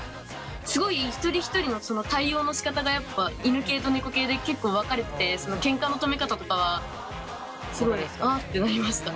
すごい一人一人の対応のしかたがやっぱ犬系と猫系で結構分かれててケンカの止め方とかはすごい「あっ」てなりました。